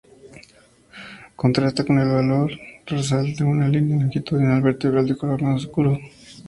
Contrasta con el color dorsal una línea longitudinal vertebral de color más oscuro.